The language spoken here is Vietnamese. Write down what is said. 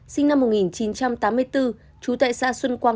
sinh năm một nghìn chín trăm tám mươi bốn chú tại xã xuân quang hai